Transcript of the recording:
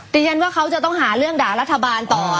ดิฉันว่าเขาจะต้องหาเรื่องด่ารัฐบาลต่อ